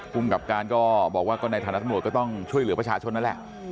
ภูมิกับการก็บอกว่าก็ในฐานะตำรวจก็ต้องช่วยเหลือประชาชนนั่นแหละ